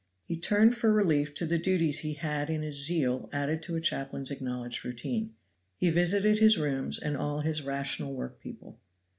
He turned for relief to the duties he had in his zeal added to a chaplain's acknowledged routine. He visited his rooms and all his rational work people.